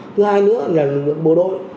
thứ hai nữa là lực lượng bộ đội